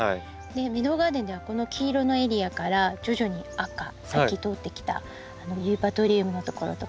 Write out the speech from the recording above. メドウガーデンではこの黄色のエリアから徐々に赤さっき通ってきたユーパトリウムの所とかですね